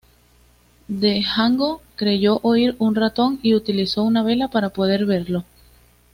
Django creyó oír un ratón y utilizó una vela para poder verlo.